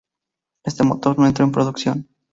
Este motor no entró en producción.